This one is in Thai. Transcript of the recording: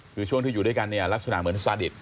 คือช่วงที่อยู่ด้วยกันเนี่ยลักษณะเหมือนซาดิต